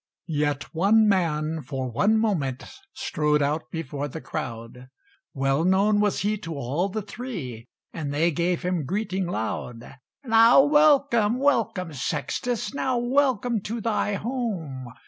Yet one man for one moment Strode out before the crowd; Well known was he to all the Three, And they gave him greeting loud. "Now welcome, welcome, Sextus! Now welcome to thy home!